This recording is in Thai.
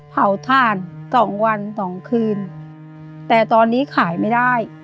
เผาถ่านสองวันสองคืนแต่ตอนนี้ขายไม่ได้